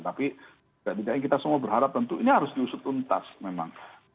tapi tidak tidaknya kita semua berharap tentu ini harus diusut untas memang